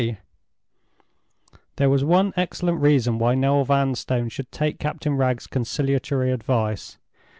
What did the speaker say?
_ There was one excellent reason why Noel Vanstone should take Captain Wragge's conciliatory advice.